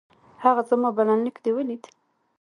هغه زما بلنليک دې ولېد؟